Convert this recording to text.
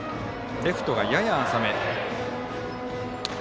レフトが、やや浅め。